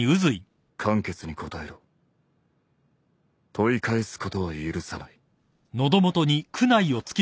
問い返すことは許さない。